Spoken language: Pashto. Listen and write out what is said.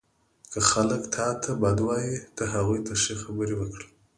• که خلک تا ته بد وایي، ته هغوی ته ښې خبرې وکړه.